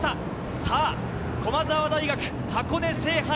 さあ、駒澤大学、箱根制覇へ。